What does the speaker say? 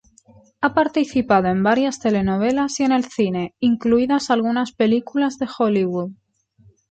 Ha participado en varias telenovelas y en el cine, incluidas algunas películas de Hollywood.